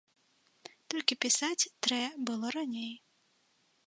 Толькі пісаць трэ было раней.